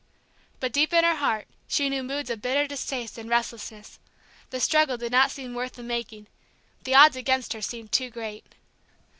But deep in her heart she knew moods of bitter distaste and restlessness. The struggle did not seem worth the making; the odds against her seemed too great.